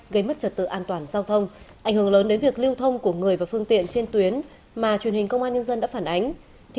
gây mất trật tự an toàn giao thông ảnh hưởng lớn đến việc lưu thông của người và phương tiện trên tuyến mà truyền hình công an nhân dân đã phản ánh